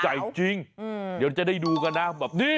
ใหญ่จริงเดี๋ยวจะได้ดูกันนะแบบนี้